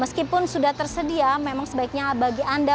meskipun sudah tersedia memang sebaiknya bagi anda